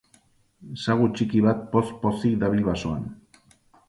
Sagu txiki bat poz-pozik dabil basoan.